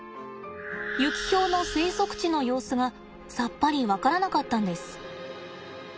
ユキヒョウの生息地の様子がさっぱりわからなかったんです！